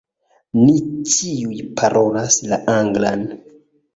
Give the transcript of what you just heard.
Ni ĉiuj parolas la anglan.